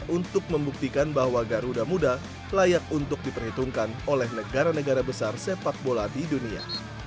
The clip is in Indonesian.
untuk membuktikan bahwa garuda muda layak untuk diperhitungkan oleh negara negara besar sepak bola di dunia